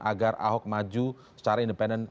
agar ahok maju secara independen